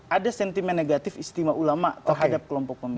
ada sentimen negatif istimewa ulama terhadap kelompok pemilih